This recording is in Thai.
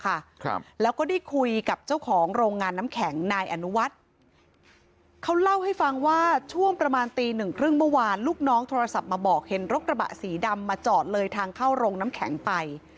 ครับแล้วก็ได้คุยกับเจ้าของโรงงานน้ำแข็งนายอนุวัฒน์เขาเล่าให้ฟังว่าช่วงประมาณตีหนึ่งครึ่งเมื่อวานลูกน้องโทรศัพท์มาบอกเห็นรถกระบะสีดำมาจอดเลยทางเข้าโรงน้ำแข็งไป